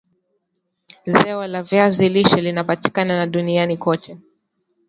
zao la viazi lishe linapatika na duniani kote